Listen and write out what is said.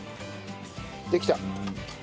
できた。